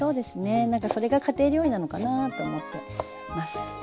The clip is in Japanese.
何かそれが家庭料理なのかなと思ってます。